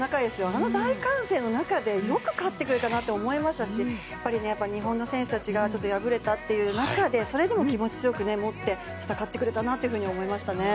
あの大歓声の中でよく勝ってくれたなと思いましたし日本の選手たちが敗れたという中でそれでも気持ちを強く持って戦ってくれたなと思いましたね。